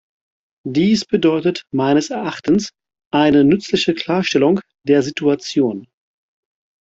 Dies bedeutet meines Erachtens eine nützliche Klarstellung der Situation.